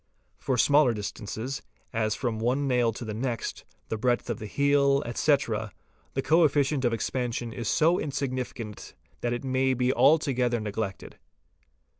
For smaller distances, as from one nail to the next, the breadth of the heel, etc., the co efficient of expansion is so insignificant that it may be alto gether neglected.